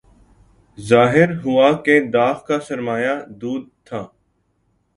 ظاہر ہوا کہ داغ کا سرمایہ دود تھا